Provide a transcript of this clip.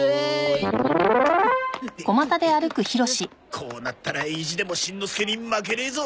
こうなったら意地でもしんのすけに負けねえぞ！